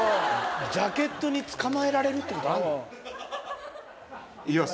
ジャケットに捕まえられるってことあんの⁉いきます。